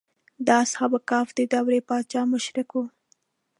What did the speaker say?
د اصحاب کهف د دور پاچا مشرک و.